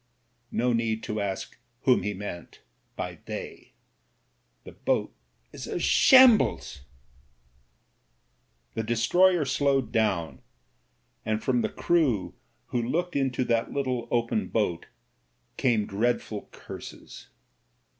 No need to ask whom he meant by "they." "The boat is a shambles." The destroyer slowed down, and from the crew who 176 MEN, WOMEN AND GUNS looked into that little open boat came dreadful curses.